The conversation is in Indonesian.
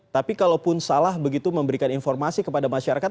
tapi kalau pun salah begitu memberikan informasi kepada masyarakat